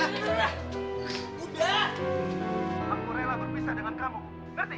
aku rela berpisah dengan kamu ngerti